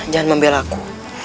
jangan membela aku